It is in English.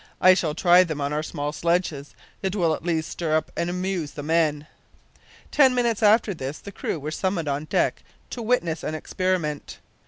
I shall try them on our small sledges. It will at least stir up and amuse the men." Ten minutes after this the crew were summoned on deck to witness an experiment.